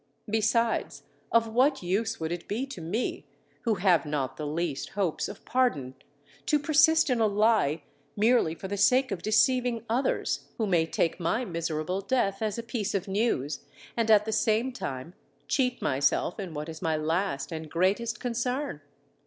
Besides, of what use would it be to me, who have not the least hopes of pardon, to persist in a lie, merely for the sake of deceiving others, who may take my miserable death as a piece of news, and at the same time cheat myself in what is my last and greatest concern?